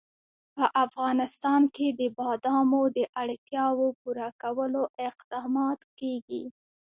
په افغانستان کې د بادامو د اړتیاوو پوره کولو اقدامات کېږي.